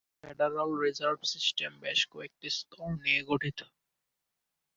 Federal reserve system বেশ কয়েকটি স্তর নিয়ে গঠিত।